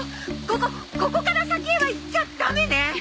ここここから先へは行っちゃダメね。